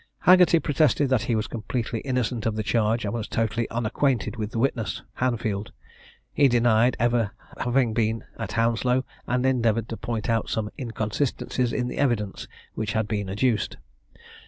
Haggerty protested that he was completely innocent of the charge, and was totally unacquainted with the witness, Hanfield. He denied ever having been at Hounslow, and endeavoured to point out some inconsistencies in the evidence which had been adduced.